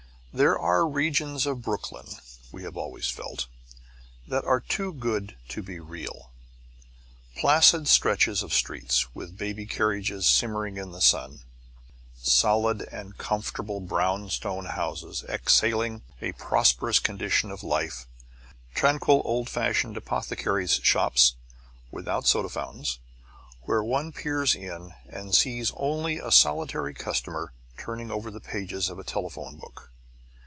There are regions of Brooklyn, we have always felt, that are too good to be real. Placid stretches of streets, with baby carriages simmering in the sun, solid and comfortable brownstone houses exhaling a prosperous condition of life, tranquil old fashioned apothecaries' shops without soda fountains, where one peers in and sees only a solitary customer turning over the pages of a telephone book.